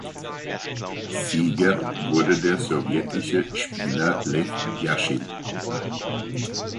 Sieger wurde der sowjetische Spieler Lew Jaschin.